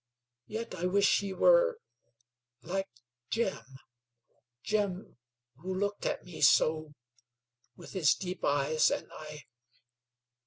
Yet I wish he were like Jim Jim who looked at me so with his deep eyes and I.